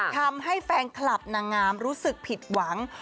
ทำให้แฟนคลับนางงามรู้สึกผิดหวัง